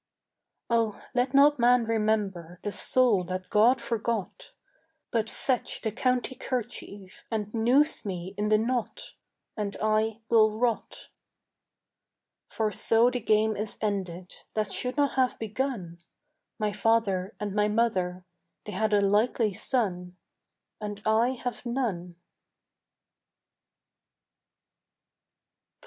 Oh let not man remember The soul that God forgot, But fetch the county kerchief And noose me in the knot, And I will rot. For so the game is ended That should not have begun. My father and my mother They had a likely son, And I have none. XV.